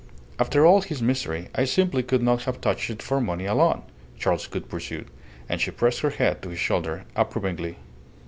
After all his misery I simply could not have touched it for money alone," Charles Gould pursued: and she pressed her head to his shoulder approvingly.